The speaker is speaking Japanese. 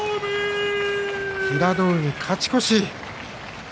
平戸海、勝ち越し。